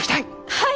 はい！